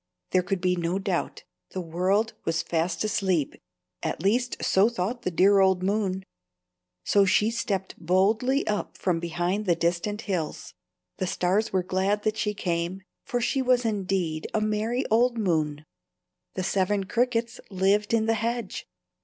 There could be no doubt; the world was fast asleep, at least so thought the dear old moon. So she stepped boldly up from behind the distant hills. The stars were glad that she came, for she was indeed a merry old moon. The Seven Crickets lived in the hedge.